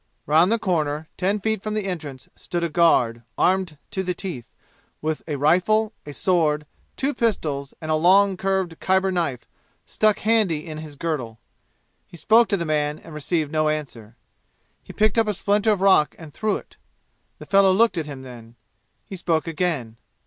Round the corner, ten feet from the entrance, stood a guard, armed to the teeth, with a rifle, a sword, two pistols and a long curved Khyber knife stuck handy in his girdle. He spoke to the man and received no answer. He picked up a splinter of rock and threw it. The fellow looked at him then. He spoke again.